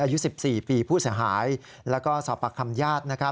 อายุ๑๔ปีผู้เสี่ยงสหายและสอบปากคัมแย่ต